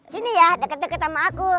gini ya deket deket sama aku